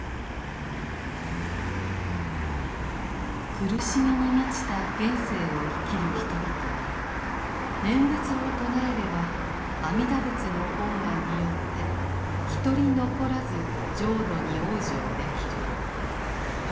苦しみに満ちた現世を生きる人々も念仏を唱えれば阿弥陀仏の本願によってひとり残らず浄土に往生できる。